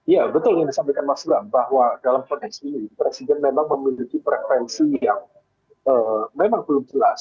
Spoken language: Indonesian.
ya betul yang disampaikan mas bram bahwa dalam konteks ini presiden memang memiliki preferensi yang memang belum jelas